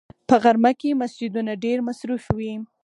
په غرمه کې مسجدونه ډېر مصروف وي